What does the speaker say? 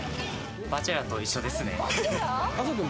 『バチェラー』と一緒ですね。